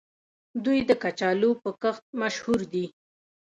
دوی د کچالو په کښت مشهور دي.